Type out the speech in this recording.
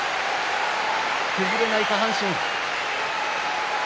崩れない下半身。